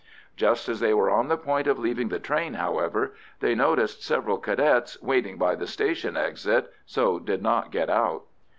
Just as they were on the point of leaving the train, however, they noticed several Cadets waiting by the station exit, so did not get out.